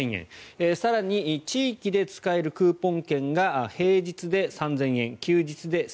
更に地域で使えるクーポン券が平日で３０００円休日で１０００円。